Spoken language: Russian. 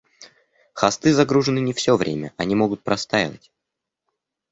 Хосты загружены не все время, они могут простаивать